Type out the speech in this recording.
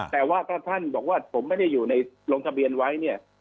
แต่ว่าถ้าท่านบอกว่าผมไม่ได้อยู่ในลงทะเบียนไว้เนี่ย